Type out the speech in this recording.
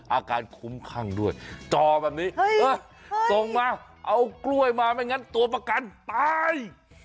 อาการคุ้มคั่งด้วยจอแบบนี้ส่งมาเอากล้วยมาไม่งั้นตัวประกันตาย